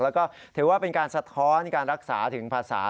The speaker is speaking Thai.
แล้วก็ถือว่าเป็นการสะท้อนการรักษาถึงภาษา